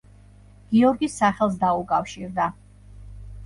გიორგის სახელს დაუკავშირდა.